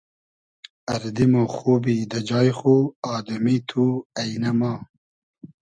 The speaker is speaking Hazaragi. اردی مۉ خوبی دۂ جای خو آدئمی تو اݷنۂ ما